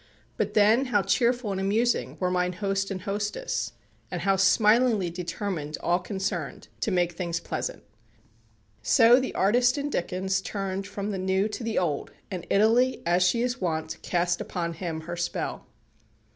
But then how cheerful and amusing were mine host and hostess, and how smilingly determined all concerned to make things pleasant. So the artist in Dickens turned from the new to the old, and Italy, as she is wont, cast upon him her spell.